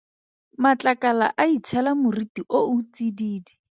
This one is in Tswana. Matlakala a itshela moriti o o tsididi.